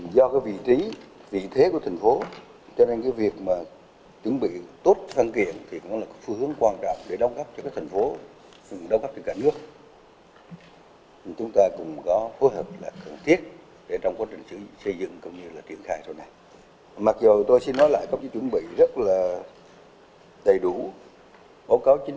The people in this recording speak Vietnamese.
do vị trí vị thế của thành phố cho nên việc chuẩn bị tốt văn kiện